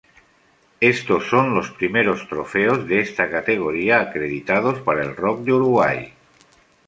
Estos sos los primeros trofeos de esta categoría acreditados para el rock de Uruguay.